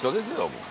もう。